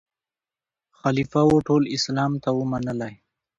خلیفه وو ټول اسلام ته وو منلی